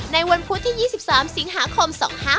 ในวันพุธที่๒๓สิงหาคม๒๕๕๙